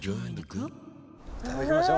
いただきましょう。